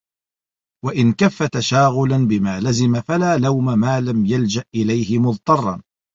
وَإِنْ كَفَّ تَشَاغُلًا بِمَا لَزِمَ فَلَا لَوْمَ مَا لَمْ يَلْجَأْ إلَيْهِ مُضْطَرٌّ